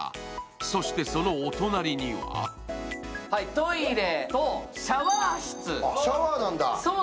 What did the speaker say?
そして、そのお隣にはトイレとシャワー室。